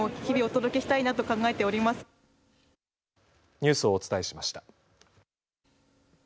ニュースをお伝えしました。